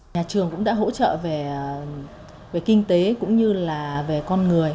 nhà trường cũng đã hỗ trợ về kinh tế cũng như là về con người